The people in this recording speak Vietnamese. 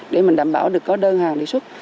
để mình đảm bảo được có đơn hàng đề xuất